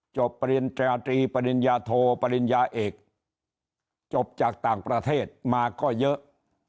ปริญตราตรีปริญญาโทปริญญาเอกจบจากต่างประเทศมาก็เยอะ